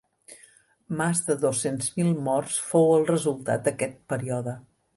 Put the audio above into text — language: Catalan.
Mas de dos-cents mil morts fou el resultat d'aquest període.